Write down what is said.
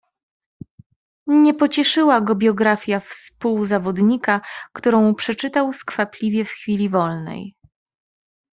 "Nie pocieszyła go biografia współzawodnika, którą przeczytał skwapliwie w chwili wolnej."